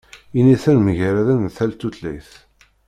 Initen mgaraden deg tal tutlayt.